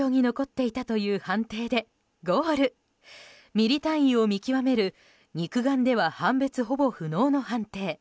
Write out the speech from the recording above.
ミリ単位を見極める肉眼では判別ほぼ不能の判定。